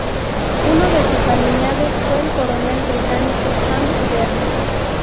Uno de sus aliados fue el coronel británico Sam Derry.